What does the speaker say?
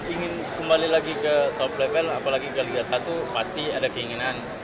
ingin kembali lagi ke top level apalagi ke liga satu pasti ada keinginan